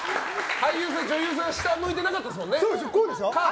俳優さん、女優さん下を向いていなかったですもんね。